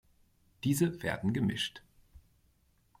Diese werden gemischt.